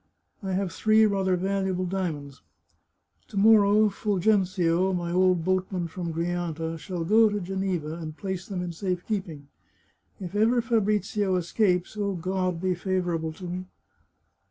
I have three rather valuable diamonds. To morrow Ful genzio, my old boatman from Grianta, shall go to Geneva and place them in safe keeping. If ever Fabrizio escapes (O God ! be favourable to me